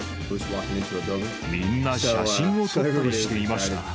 みんな写真を撮ったりしていました。